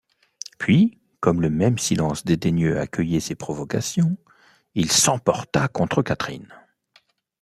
Puis, comme le même silence dédaigneux accueillait ses provocations, il s’emporta contre Catherine.